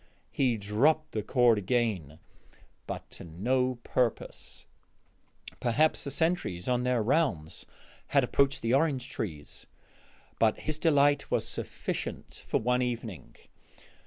He dropped the cord again, but to no purpose; perhaps the sentries on their rounds had approached the orange trees. But his delight was sufficient for one evening.